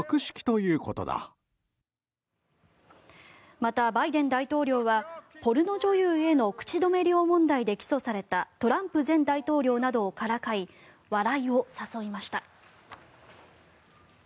またバイデン大統領はポルノ女優への口止め料問題で起訴されたトランプ前大統領などをからかい笑いを誘いました。